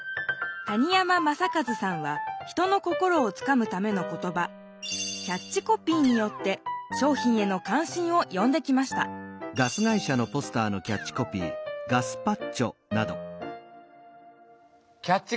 谷山雅計さんは人の心をつかむための言葉キャッチコピーによってしょうひんへのかん心をよんできましたキャッチコピーって何ですか？